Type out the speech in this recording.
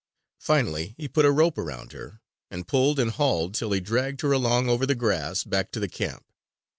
Finally he put a rope around her, and pulled and hauled till he dragged her along over the grass back to the camp.